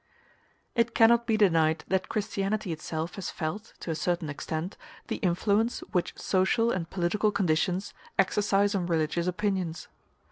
It cannot be denied that Christianity itself has felt, to a certain extent, the influence which social and political conditions exercise on religious opinions.